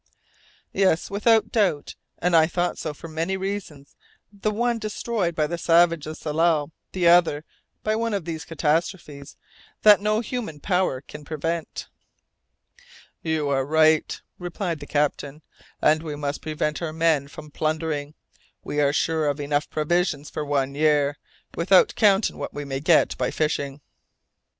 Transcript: Yes, without doubt, and I thought so for many reasons, the one destroyed by the savages of Tsalal, the other by one of these catastrophes that no human power can prevent. "You are right," replied the captain, "and we must prevent our men from plundering. We are sure of enough provisions for one year, without counting what we may get by fishing."